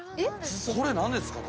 これ何ですか？